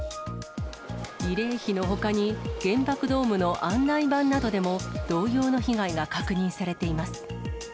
慰霊碑のほかに、原爆ドームの案内板などでも、同様の被害が確認されています。